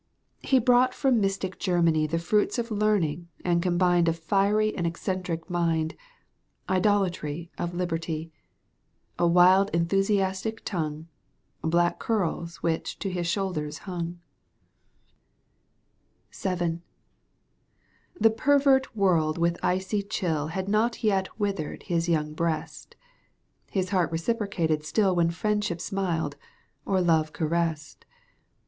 He brought from mystic Germany The fruits of learning and combined A fiery and eccentric mind. Idolatry of liberty, • A wild enthusiastic tongue, Black curls which to his shoulders hung. Digitized by VjOOQ 1С CANTO II. EUGENE ON^GUINE. 41 VII. The pervert world with icy chill Had not yet withered his young breast, ffis heart reciprocated still When Friendship smiled or Love caressed.